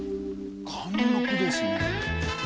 貫禄ですね」